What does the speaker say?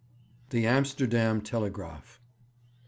_The Amsterdam Telegraaf.